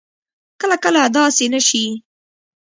کله کله داسې نه شي